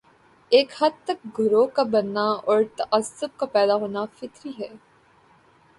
ایک حد تک گروہ کا بننا اور تعصب کا پیدا ہونا فطری ہے۔